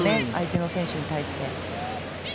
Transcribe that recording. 相手の選手に対して。